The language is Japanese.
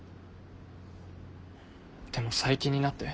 でも最近になって。